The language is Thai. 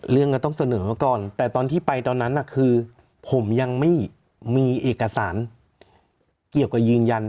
ก็ต้องเสนอก่อนแต่ตอนที่ไปตอนนั้นคือผมยังไม่มีเอกสารเกี่ยวกับยืนยัน